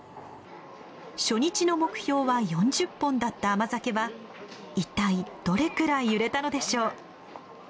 初日の目標は４０本だった甘酒は一体どれくらい売れたのでしょう？